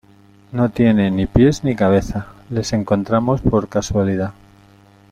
no tiene ni pies ni cabeza. les encontramos por casualidad .